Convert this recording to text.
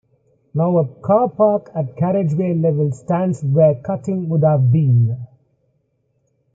Now a car park, at carriageway level, stands where the cutting would have been.